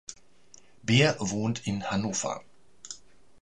Beer wohnt in Hannover.